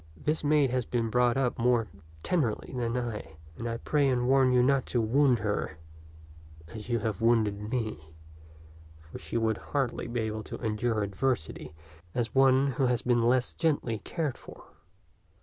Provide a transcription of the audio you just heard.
This maid has been brought up more tenderly than I, and I pray and warn you not to wound her as you have wounded me, for she would hardly be able to endure adversity as one who has been less gently cared for.'